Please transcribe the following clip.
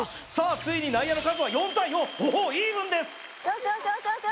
ついに内野の数は４対４おっイーブンですいい！